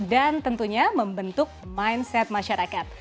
dan tentunya membentuk mindset masyarakat